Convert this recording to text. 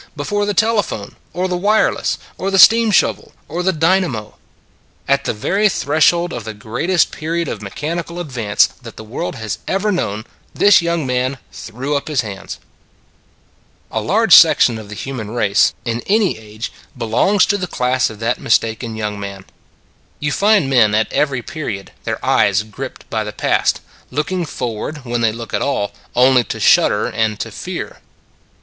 Before the telephone, or the wireless, or the steam shovel, or the dynamo ! At the very threshold of the greatest period of me chanical advance that the world has ever known, this young man threw up his hands. A large section of the human race, in 103 104 I^ 5 a Good Old World any age, belongs to the class of that mis taken young man. You find men at every period, their eyes gripped by the past, looking forward, when they look at all, only to shudder and to fear.